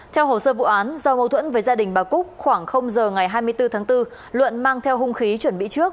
theo hồ sơ vụ án do mâu thuẫn với gia đình bà cúc khoảng giờ ngày hai mươi bốn tháng bốn luận mang theo hung khí chuẩn bị trước